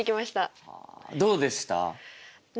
どうでした？